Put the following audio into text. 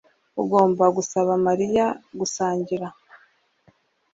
Ugomba gusaba Mariya gusangira